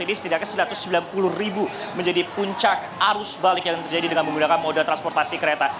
ini setidaknya satu ratus sembilan puluh ribu menjadi puncak arus balik yang terjadi dengan menggunakan moda transportasi kereta